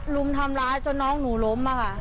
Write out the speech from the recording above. รุมทำร้ายจนน้องหนูล้มค่ะ